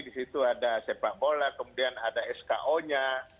di situ ada sepak bola kemudian ada sko nya